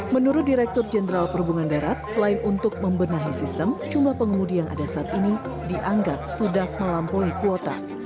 menurut direktur jenderal perhubungan darat selain untuk membenahi sistem jumlah pengemudi yang ada saat ini dianggap sudah melampaui kuota